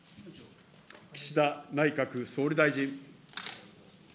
岸田内閣総理大臣。